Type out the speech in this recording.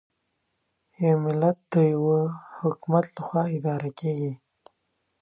یو ملت د یوه حکومت له خوا اداره کېږي.